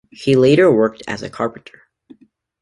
He later worked as a carpenter.